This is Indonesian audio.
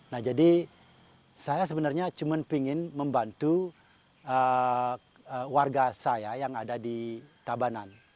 nah jadi saya sebenarnya cuma ingin membantu warga saya yang ada di tabanan